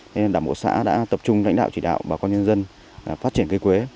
nên đảm bộ xã đã tập trung lãnh đạo chỉ đạo và con nhân dân phát triển cây quế